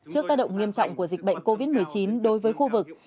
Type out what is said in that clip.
trước tác động nghiêm trọng của dịch bệnh covid một mươi chín đối với khu vực